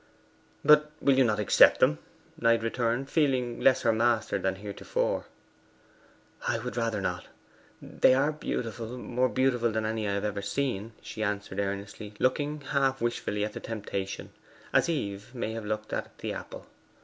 'But will you not accept them?' Knight returned, feeling less her master than heretofore. 'I would rather not. They are beautiful more beautiful than any I have ever seen,' she answered earnestly, looking half wishfully at the temptation, as Eve may have looked at the apple.